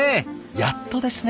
やっとですね。